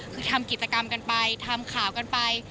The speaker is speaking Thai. คือทำกิจกรรมกันไปทำข่าวกันไป